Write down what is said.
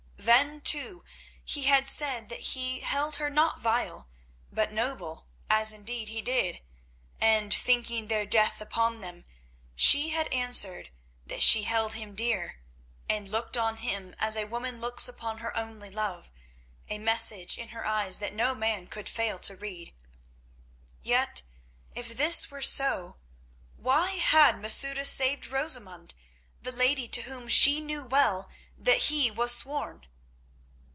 Then, too, he had said that he held her not vile, but noble, as indeed he did; and, thinking their death upon them, she had answered that she held him dear, and looked on him as a woman looks upon her only love—a message in her eyes that no man could fail to read. Yet if this were so, why had Masouda saved Rosamund, the lady to whom she knew well that he was sworn?